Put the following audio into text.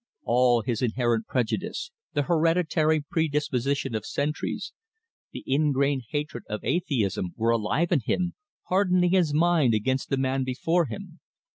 All his inherent prejudice, the hereditary predisposition of centuries, the ingrain hatred of atheism, were alive in him, hardening his mind against the man before him.